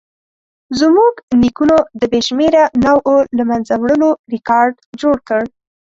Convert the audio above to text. زموږ نیکونو د بې شمېره نوعو له منځه وړلو ریکارډ جوړ کړ.